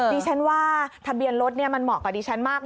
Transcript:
ดิฉันว่าทะเบียนรถมันเหมาะกับดิฉันมาก